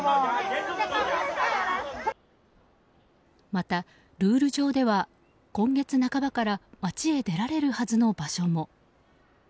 またルール上では今月半ばから街へ出られるはずの場所も。